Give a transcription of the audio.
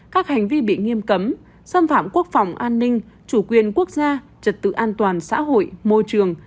các hành vi bị nghiêm cấm xâm phạm quốc phòng an ninh chủ quyền quốc gia trật tự an toàn xã hội môi trường